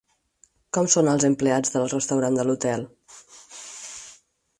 Com són els empleats del restaurant de l'hotel?